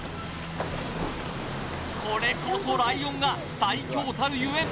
これこそライオンが最強たるゆえん